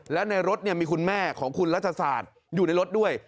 และในรถมีคุณแม่ของคุณรัชศาสตร์อยู่ในรถด้วย